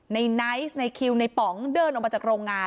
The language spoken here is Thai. ไนท์ในคิวในป๋องเดินออกมาจากโรงงาน